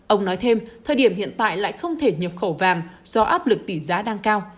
ông nói thêm thời điểm hiện tại lại không thể nhập khẩu vàng do áp lực tỷ giá đang cao